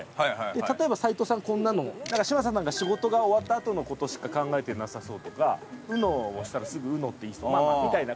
例えば齊藤さんがこんなの。嶋佐さん仕事が終わったあとの事しか考えてなさそうとか『ＵＮＯ』をしたらすぐＵＮＯって言いそうみたいな